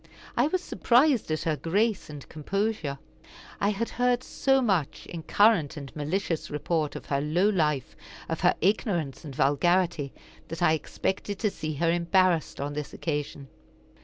I was surprised at her grace and composure. I had heard so much, in current and malicious report, of her low life, of her ignorance and vulgarity, that I expected to see her embarrassed on this occasion.